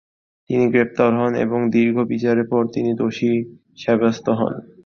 তিনি গ্রেপ্তার হন এবং দীর্ঘ বিচারের পর তিনি দোষী সাব্যাস্ত হন।